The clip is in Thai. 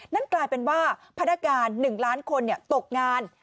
นั่นกลายเป็นว่าพนักงาน๑ล้านคนตกงาน